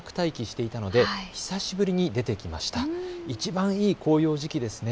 いちばんいい紅葉時期ですね。